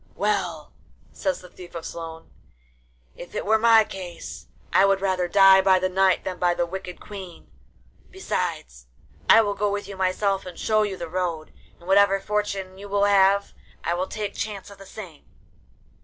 'Well,' says the Thief of Sloan, 'if it were my case I would rather die by the Knight than by the wicked Queen; besides, I will go with you myself and show you the road, and whatever fortune you will have, I will take chance of the same.